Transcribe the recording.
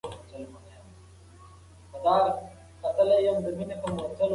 ټیکنالوژي د معلولینو لپاره هم زده کړه اسانه کړې ده.